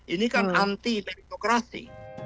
ini kan anti meritokrasi